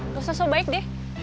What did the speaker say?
gak usah so baik deh